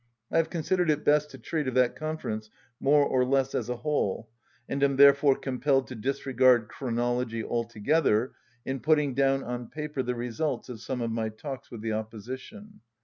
I have considered it best to treat of that Confer ence more or less as a whole, and am therefore compelled to disregard chronology altogether in putting down on paper the results of some of my talks with the opposition.